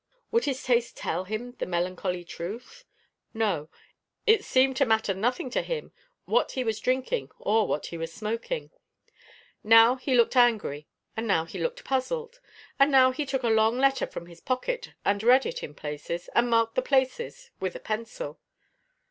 Would his taste tell him the melancholy truth? No: it seemed to matter nothing to him what he was drinking or what he was smoking. Now he looked angry, and now he looked puzzled; and now he took a long letter from his pocket, and read it in places, and marked the places with a pencil.